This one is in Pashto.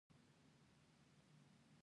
آیا لاری ګانې مالونه نه وړي؟